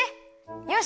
よし！